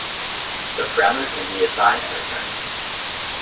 The parameters can be assigned and returned.